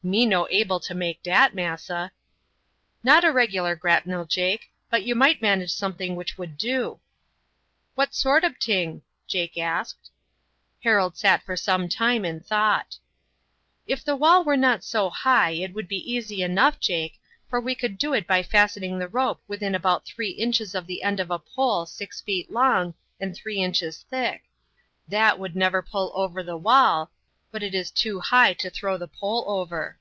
"Me no able to make dat, massa." "Not a regular grapnel, Jake, but you might manage something which would do." "What sort ob ting?" Jake asked. Harold sat for some time in thought. "If the wall were not so high it would be easy enough, Jake, for we could do it by fastening the rope within about three inches of the end of a pole six feet long and three inches thick. That would never pull over the wall, but it is too high to throw the pole over."